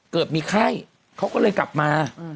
เกิดมีไข้เขาก็เลยกลับมา